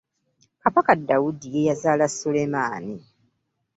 Kabaka Dawudi ye yazaala Sulemaani.